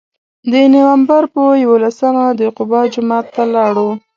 د نوامبر په یولسمه د قبا جومات ته لاړو.